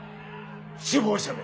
首謀者め！